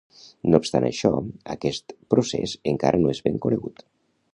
No obstant això, aquest procés encara no és ben conegut.